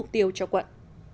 tiêu cho quận